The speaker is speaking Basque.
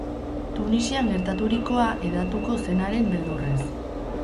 Tunisian gertaturikoa hedatuko zenaren beldurrez.